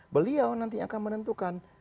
beliau nanti akan menentukan